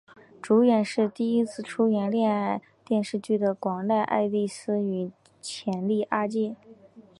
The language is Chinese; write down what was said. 主演是第一次演出恋爱电视剧的广濑爱丽丝与浅利阳介。